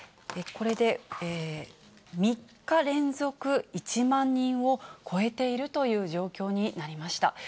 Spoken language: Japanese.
これで３日連続１万人を超えているという状況になりました。